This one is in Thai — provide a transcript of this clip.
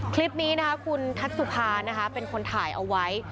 คลิปนี้นะคะคุณทัศุภานะคะเป็นคนถ่ายเอาไว้